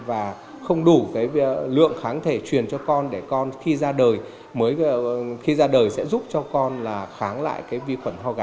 và không đủ cái lượng kháng thể truyền cho con để con khi ra đời mới khi ra đời sẽ giúp cho con là kháng lại cái vi khuẩn ho gà